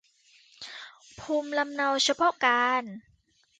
ภูมิลำเนาเฉพาะการ